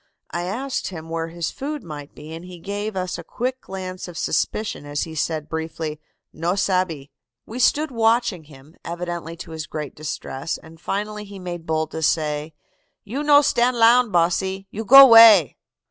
"I asked him where his food might be, and he gave us a quick glance of suspicion as he said briefly, 'No sabbe.' "We stood watching him, evidently to his great distress, and finally he made bold to say, 'You no stand lound, bosse. You go 'way.